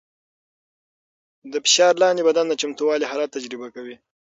د فشار لاندې بدن د چمتووالي حالت تجربه کوي.